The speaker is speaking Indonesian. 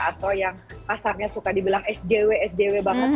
atau yang pasarnya suka dibilang sjw sjw banget